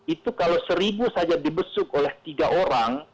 itu kalau seribu saja dibesuk oleh tiga orang